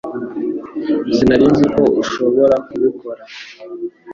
Sinari nzi ko ushobora kubikora